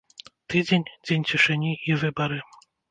Тыдзень, дзень цішыні і выбары.